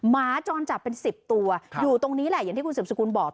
หมาจรจัดเป็น๑๐ตัวอยู่ตรงนี้แหละอย่างที่คุณสืบสกุลบอก